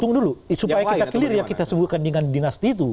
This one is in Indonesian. hitung dulu supaya kita clear yang kita sebutkan dengan dinasti itu